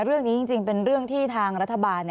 เรื่องนี้จริงเป็นเรื่องที่ทางรัฐบาล